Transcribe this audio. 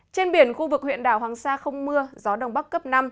trên biển khu vực huyện đảo hoàng sa không mưa gió đông bắc cấp năm